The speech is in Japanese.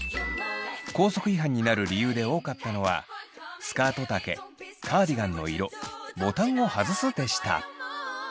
校則違反になる理由で多かったのはスカート丈カーディガンの色ボタンを外すでした。